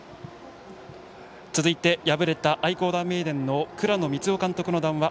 続いて、敗れた愛工大名電の倉野光生監督の談話